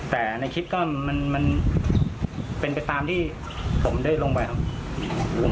แต่ในคลิปก็มันเป็นไปตามที่ผมได้ลงไปครับ